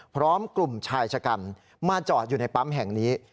พร้อมกลุ่มชายชะกันมาจอดอยู่ในปั๊มแห่งนี้